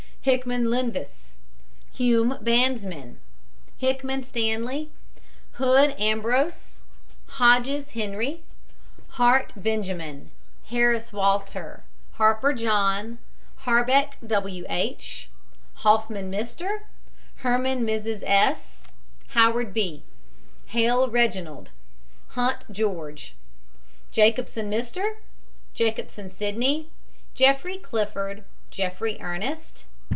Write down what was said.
HICKMAN, LENVIS. HUME, bandsman. HICKMAN, STANLEY. HOOD, AMBROSE, HODGES, HENRY P. HART, BENJAMIN. HARRIS, WALTER. HARPER, JOHN. HARBECK, W. H. HOFFMAN, MR. HERMAN, MRS. S. HOWARD, B. HOWARD, MRS. E. T. HALE, REGINALD. HILTUNEN, M. HUNT, GEORGE. JACOBSON, MR. JACOBSON, SYDNEY. JEFFERY, CLIFFORD. JEFFERY, ERNEST.